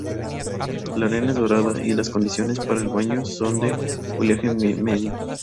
La arena es dorada y las condiciones para el baño son de oleaje medio.